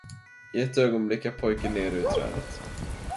I ett ögonblick är pojken nere ur trädet.